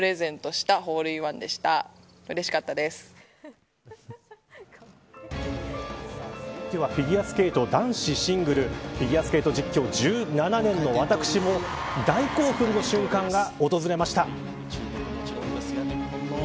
続いてはフィギュアスケート男子シングルフィギュアスケート実況１７年の私も大興奮の瞬間が訪れました。